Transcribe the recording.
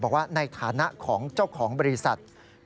บอกว่าในฐานะของเจ้าของบริษัท